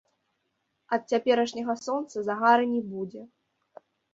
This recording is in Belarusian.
Ад цяперашняга сонца загары не будзе.